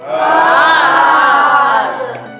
allah maha melihat